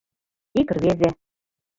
Ик рвезе.